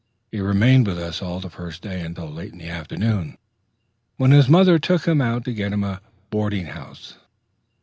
He remained with us all the first day until late in the afternoon, when his mother took him out to get him a boarding house.